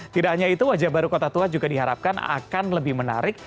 tidak hanya itu wajah baru kota tua juga diharapkan akan lebih menarik